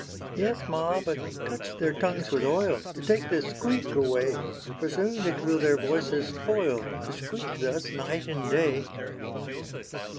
"Yes, ma, but touch their tongues with oil, To take the squeak away; For soon it will their voices spoil, To squeak thus night and day."